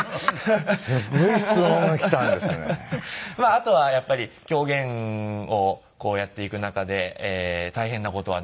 あとはやっぱり狂言をやっていく中で大変な事はなんですか？